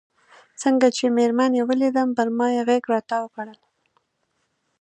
څنګه چې مېرمنې یې ولیدم پر ما یې غېږ را وتاو کړل.